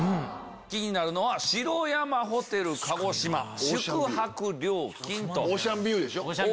気になるのは城山ホテル鹿児島宿泊料金。